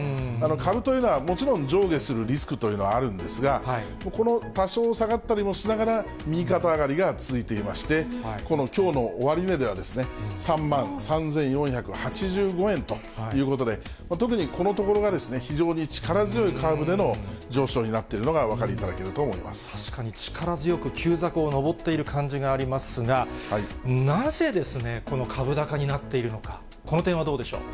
株というのは、もちろん上下するリスクというのは、あるんですが、この多少下がったりもしながら、右肩上がりが続いていまして、このきょうの終値では、３万３４８５円ということで、特にこのところは非常に力強いカーブでの上昇になっているのがお確かに、力強く急坂を上っている感じがありますが、なぜですね、この株高になっているのか、この点はどうでしょう。